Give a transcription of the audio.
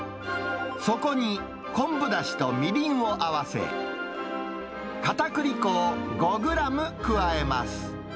そこに昆布だしとみりんを合わせ、かたくり粉を５グラム加えます。